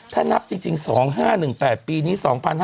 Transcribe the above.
ถ้านับจริง๒๕๑๘ปีนี้๒๕๕๙